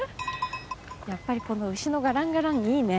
やっぱりこの牛のガランガランいいね。